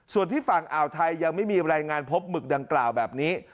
ส่วนที่ฝั่งอ่าวไทยยังไม่มีรายงานพบหมึกดังกล่าวแบบนี้